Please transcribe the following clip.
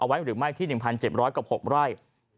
ไว้หรือไม่ที่๑๗๐๐กับ๖ไร่